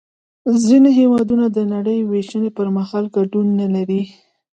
ځینې هېوادونه د نړۍ وېشنې پر مهال ګډون نلري